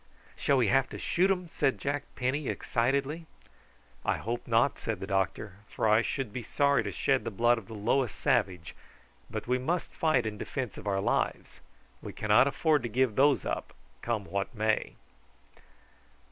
"Shall we have to shoot 'em?" said Jack Penny excitedly. "I hope not," said the doctor, "for I should be sorry to shed the blood of the lowest savage; but we must fight in defence of our lives. We cannot afford to give those up, come what may."